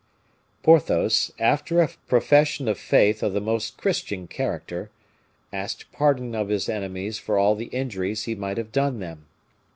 Porthos, after a profession of faith of the most Christian character, asked pardon of his enemies for all the injuries he might have done them.